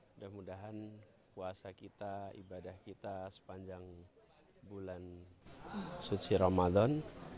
mudah mudahan puasa kita ibadah kita sepanjang bulan suci ramadan